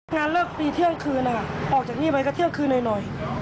งานเลิกฟรีเที่ยงคืนนะคะออกจากนี่ไปก็เที่ยงคืนหน่อย